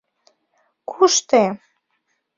— Куш те?